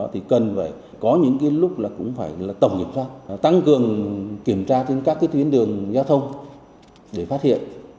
thì cần phải có những lúc cũng phải tổng kiểm tra tăng cường kiểm tra trên các tuyến đường giao thông để phát hiện